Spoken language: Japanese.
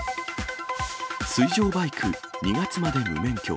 水上バイク２月まで無免許。